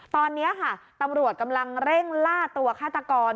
ตอนนี้ค่ะตำรวจกำลังเร่งล่าตัวฆาตกร